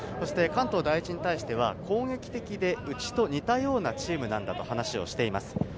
関東第一に対しては攻撃的でうちと似たようなチームなんだと話をしています。